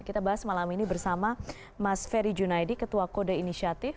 kita bahas malam ini bersama mas ferry junaidi ketua kode inisiatif